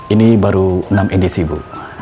ini baru enam edc bu